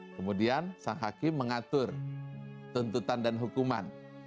kemudian sang hakim mengatur tuntutan dan hukuman